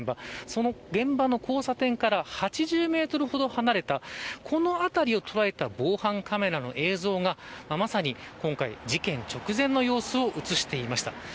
その現場の交差点から８０メートルほど離れたこの辺りを捉えた防犯カメラの映像がまさに今回、事件直前の様子を映していました。